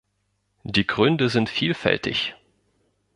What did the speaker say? Die Gründe sind vielfältig.